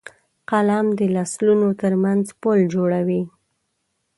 قلم د نسلونو ترمنځ پُل جوړوي